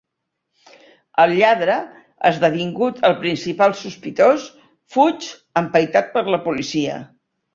El lladre, esdevingut el principal sospitós, fuig, empaitat per la policia.